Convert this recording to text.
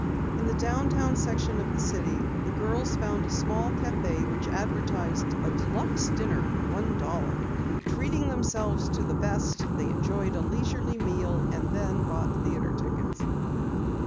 In the downtown section of the city, the girls found a small cafe which advertised a deluxe dinner for one dollar. Treating themselves to the best, they enjoyed a leisurely meal, and then bought theatre tickets.